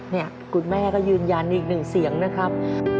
นี่คุณแม่ก็ยืนยันอีกหนึ่งเสียงนะครับ